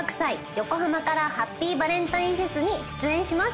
ヨコハマからハッピーバレンタインフェスに出演します。